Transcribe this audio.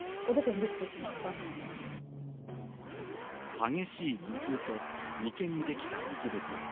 激しい頭痛と眉間にできた水ぶくれ。